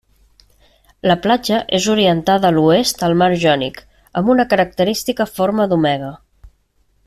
La platja és orientada a l'oest al mar Jònic, amb una característica forma d'omega.